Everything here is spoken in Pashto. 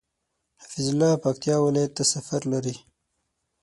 حفيظ الله پکتيا ولايت ته سفر لري